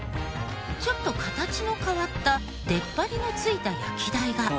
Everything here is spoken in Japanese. ちょっと形の変わったでっぱりのついた焼き台が。